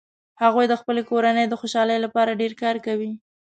هغوي د خپلې کورنۍ د خوشحالۍ لپاره ډیر کار کوي